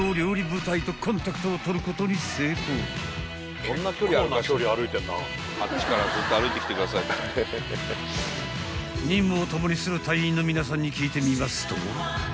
［任務を共にする隊員の皆さんに聞いてみますと］